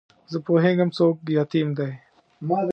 زه پوهېږم څوک یتیم دی.